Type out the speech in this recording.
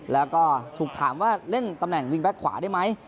แล้วก็ถูกถามว่าเล่นตำแหน่งวิ่งแก๊กขวาได้ไหม